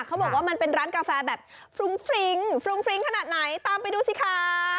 เขาบอกว่ามันเป็นร้านกาแฟแบบฟรุ้งฟริ้งฟรุ้งฟริ้งขนาดไหนตามไปดูสิค่ะ